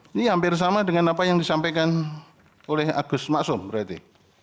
ini hampir sama dengan apa yang disampaikan oleh agus maksum berarti